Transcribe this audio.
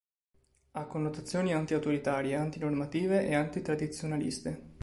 Ha connotazioni anti-autoritarie, anti-normative e anti-tradizionaliste.